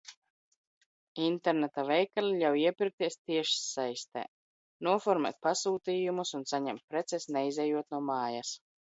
Interneta veikali ļauj iepirkties tiešsaistē, noformēt pasūtījumus un saņemt preces, neizejot no mājas.